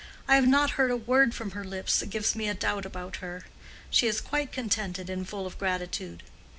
I have not heard a word from her lips that gives me a doubt about her. She is quite contented and full of gratitude.